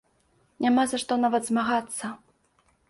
Няма за што нават змагацца.